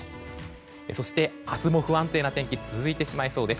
そして、明日も不安定な天気続いてしまいそうです。